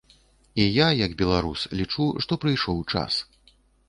І я як беларус лічу, што прыйшоў час.